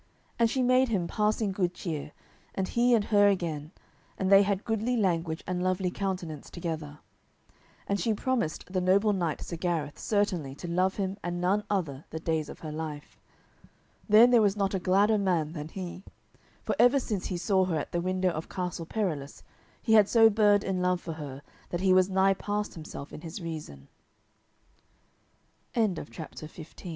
And she made him passing good cheer, and he her again, and they had goodly language and lovely countenance together. And she promised the noble knight Sir Gareth certainly to love him and none other the days of her life. Then there was not a gladder man than he, for ever since he saw her at the window of Castle Perilous he had so burned in love for her that he was nigh past himself in his reason. CHAPTER XVI HOW SIR GARETH RETURNED TO TH